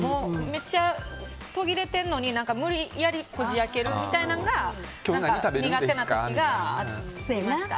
めっちゃ途切れてるのに無理やりこじ開けるみたいなのが苦手な時がありました。